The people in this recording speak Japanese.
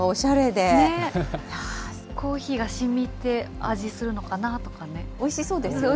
コーヒーがしみて味するのかおいしそうですよね。